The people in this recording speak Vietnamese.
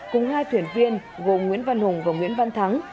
cùng hai thuyền viên gồm nguyễn văn hùng và nguyễn văn thắng